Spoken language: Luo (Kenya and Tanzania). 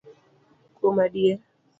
Kuom adier